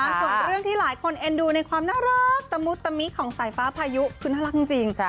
ส่วนเรื่องที่หลายคนเอ็นดูในความน่ารักตะมุตมิของสายฟ้าพายุคือน่ารักจริง